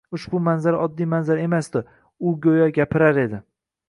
Ushbu manzara oddiy manzara emasdi – u go‘yo gapirar edi!